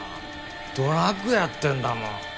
ドラッグやってんだもん。